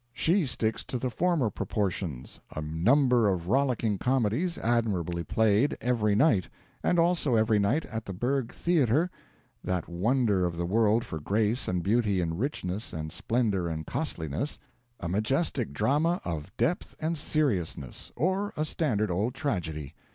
She sticks to the former proportions: a number of rollicking comedies, admirably played, every night; and also every night at the Burg Theatre that wonder of the world for grace and beauty and richness and splendour and costliness a majestic drama of depth and seriousness, or a standard old tragedy.